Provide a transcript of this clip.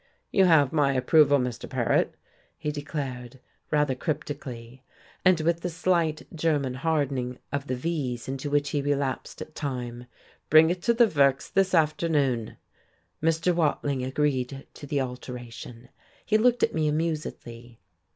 "You have my approval, Mr. Paret," he declared, rather cryptically, and with the slight German hardening of the v's into which he relapsed at times. "Bring it to the Works this afternoon." Mr. Wading agreed to the alteration. He looked at me amusedly.